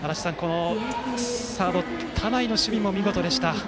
サード、田内の守備も見事でした。